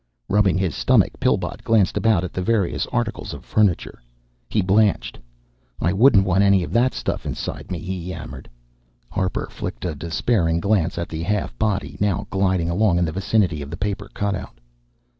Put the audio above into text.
Rubbing his stomach, Pillbot glanced about at the various articles of furniture. He blanched. "I wouldn't want any of that stuff inside of me," he yammered. Harper flicked a despairing glance at the half body, now gliding along in the vicinity of the paper cutout.